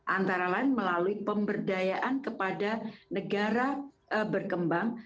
antara lain melalui pemberdayaan kepada negara berkembang